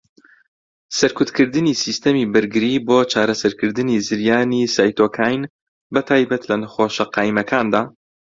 سەرکوتکردنی سیستەمی بەرگری بۆ چارەسەرکردنی زریانی سایتۆکاین، بەتایبەت لە نەخۆشه قایمەکاندا.